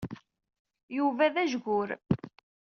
Yuba d ajgur.